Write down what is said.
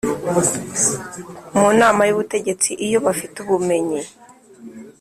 Mu nama y ubutegetsi iyo bafite ubumenyi